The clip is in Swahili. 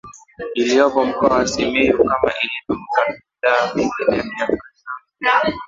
iliyopo mkoa wa SimiyuKama ilivyo makabila mengine ya Kiafrika wasukuma wana mila zao